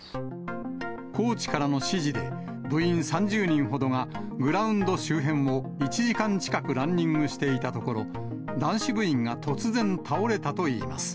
コーチからの指示で、部員３０人ほどがグラウンド周辺を１時間近くランニングしていたところ、男子部員が突然、倒れたといいます。